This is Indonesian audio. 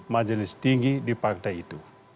majelis tinggi di partai itu